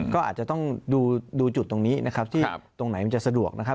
ก็อาจจะต้องดูจุดตรงนี้นะครับที่ตรงไหนมันจะสะดวกนะครับ